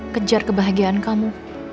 kejar kebahagiaan kamu